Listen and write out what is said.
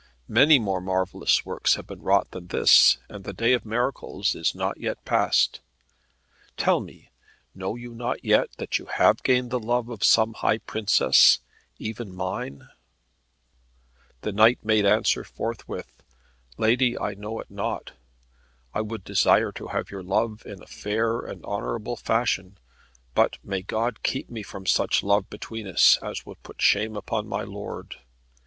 Many more marvellous works have been wrought than this, and the day of miracles is not yet past. Tell me, know you not yet that you have gained the love of some high princess, even mine?" The knight made answer forthwith, "Lady, I know it not. I would desire to have your love in a fair and honourable fashion; but may God keep me from such love between us, as would put shame upon my lord.